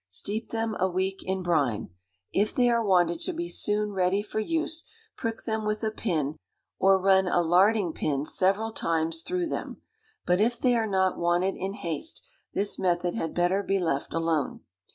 Steep them a week in brine. If they are wanted to be soon ready for use, prick them with a pin, or run a larding pin several times through them; but if they are not wanted in haste, this method had better be left alone.